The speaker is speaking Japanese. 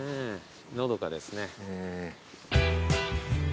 のどかですね。